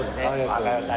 分かりました。